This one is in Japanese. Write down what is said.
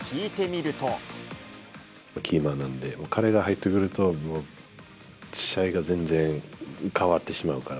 キーマンなんで、彼が入ってくると、もう試合が全然変わってしまうから。